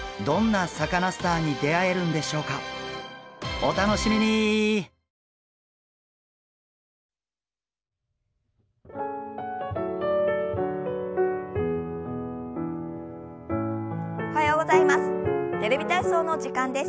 おはようございます。